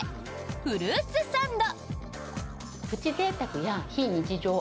フルーツサンド。